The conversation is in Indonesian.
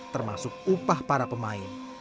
termasuk upah para pemain